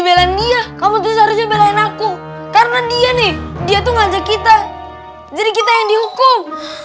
belan dia kamu tuh seharusnya belain aku karena dia nih dia tuh ngajak kita jadi kita yang dihukum